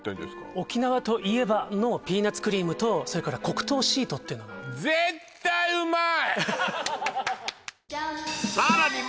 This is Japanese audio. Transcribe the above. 沖縄といえばのピーナツクリームとそれから黒糖シートっていうのが絶対うまい！